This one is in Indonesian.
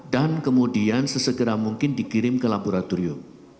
dan kemudian sesegera mungkin dikirim ke laboratorium